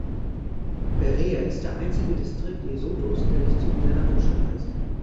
Berea ist der einzige Distrikt Lesothos, der nicht so wie seine Hauptstadt heißt.